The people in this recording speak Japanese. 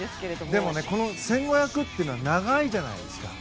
でもこの１５００は長いじゃないですか。